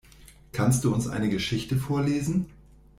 Kannst du uns eine Geschichte vorlesen?